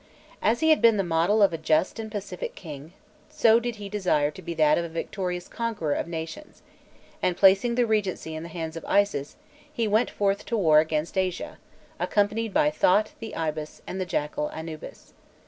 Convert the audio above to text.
As he had been the model of a just and pacific king, so did he desire to be that of a victorious conqueror of nations; and, placing the regency in the hands of Isis, he went forth to war against Asia, accompanied by Thot the ibis and the jackal Anubis.